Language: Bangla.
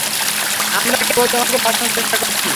আমরা কেবল তোমাকে বাঁচানোর চেষ্টা করছি।